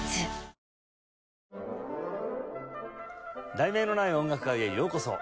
『題名のない音楽会』へようこそ。